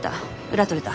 裏取れた。